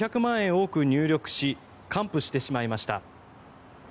多く入力し還付してしまいました。